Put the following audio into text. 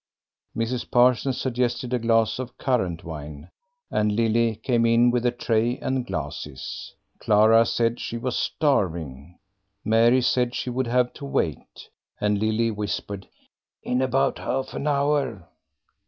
Mrs. Parsons suggested a glass of currant wine, and Lily came in with a tray and glasses. Clara said she was starving. Mary said she would have to wait, and Lily whispered, "In about half an hour."